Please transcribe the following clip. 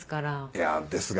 いやですが。